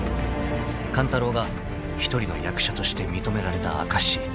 ［勘太郎が一人の役者として認められた証し］